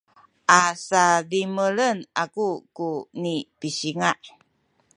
a sadimelen aku ku nipisinga’